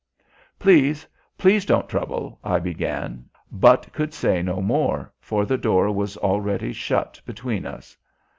"Please, please, don't trouble," I began, but could say no more, for the door was already shut between us.